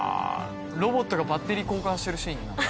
ロボットがバッテリー交換してるシーンになる？